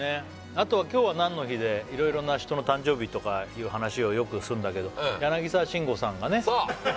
あとは「今日は何の日？」でいろいろな人の誕生日とかいう話をよくするんだけど柳沢慎吾さんがねそう！